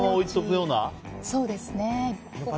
そうですね。